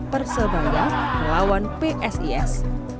persebaya melawan psis